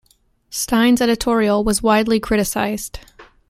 Stein's editorial was widely criticized.